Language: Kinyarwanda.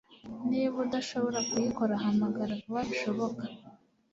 Niba udashobora kuyikora hamagara vuba bishoboka